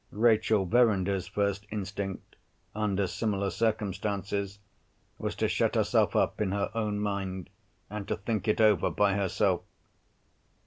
Rachel Verinder's first instinct, under similar circumstances, was to shut herself up in her own mind, and to think it over by herself.